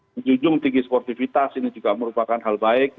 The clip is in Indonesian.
menjunjung tinggi sportivitas ini juga merupakan hal baik